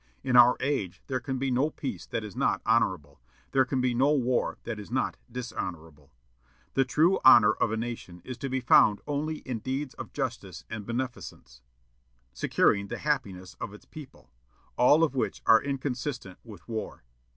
_ In our age there can be no peace that is not honorable; there can be no war that is not dishonorable. The true honor of a nation is to be found only in deeds of justice and beneficence, securing the happiness of its people, all of which are inconsistent with war.